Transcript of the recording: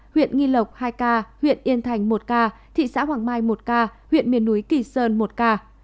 huyện nghi lộc hai ca huyện yên thành một ca thị xã hoàng mai một ca huyện miền núi kỳ sơn một ca